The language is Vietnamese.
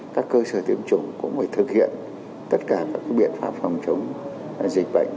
các cơ sở tiêm chủng cũng phải thực hiện tất cả các biện pháp phòng chống dịch bệnh